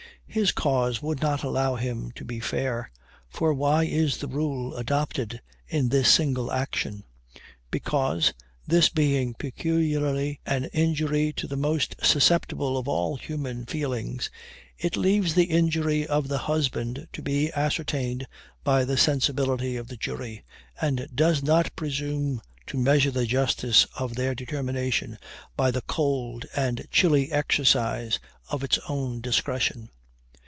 His cause would not allow him to be fair; for why is the rule adopted in this single action? Because, this being peculiarly an injury to the most susceptible of all human feelings, it leaves the injury of the husband to be ascertained by the sensibility of the jury, and does not presume to measure the justice of their determination by the cold and chilly exercise of its own discretion.